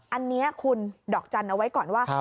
อันนี้คุณดอกจันทร์เอาไว้ก่อนว่า